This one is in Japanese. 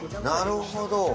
なるほど。